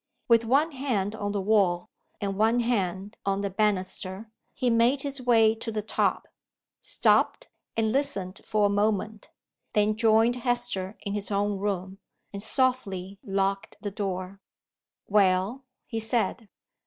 With one hand on the wall, and one hand on the banister, he made his way to the top; stopped, and listened for a moment; then joined Hester in his own room, and softly locked the door. "Well?" he said.